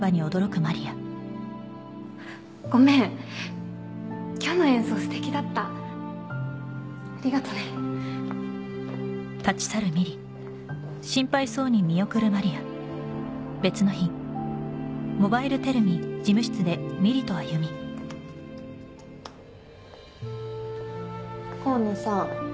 ごめん今日の演奏すてきだったありがとうね河野さん